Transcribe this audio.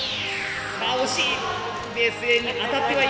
惜しい！